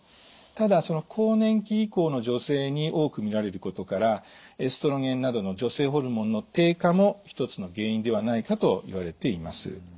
ただ更年期以降の女性に多くみられることからエストロゲンなどの女性ホルモンの低下も一つの原因ではないかといわれています。